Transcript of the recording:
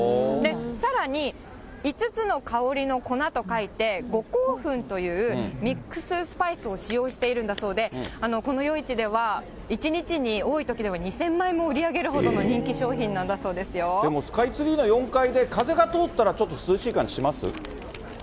さらに五つの香りの粉と書いて、五香粉というミックススパイスを使用しているんだそうで、この夜市では一日に多いときでは、２０００枚も売り上げるほどの人気商でもスカイツリーの４階で、風が通ったら、ちょっと涼しい感じします？